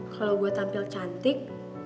kalau gue tampil cantik